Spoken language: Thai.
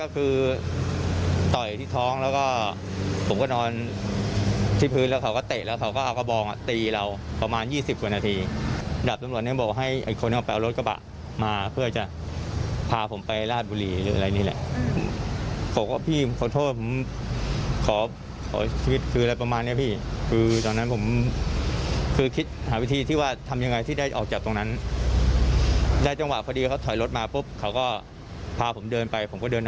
บองอ่ะตีเราประมาณยี่สิบกว่านาทีดับตำรวจเนี้ยบอกให้ไอ้คนออกไปเอารถกระบะมาเพื่อจะพาผมไปลาดบุหรี่หรืออะไรนี้แหละอืมขอบคุณพี่ขอโทษผมขอขอชีวิตคืออะไรประมาณเนี้ยพี่คือตอนนั้นผมคือคิดหาวิธีที่ว่าทำยังไงที่ได้ออกจากตรงนั้นได้จังหวะพอดีเขาถอยรถมาปุ๊บเขาก็พาผมเดินไปผมก็เดินด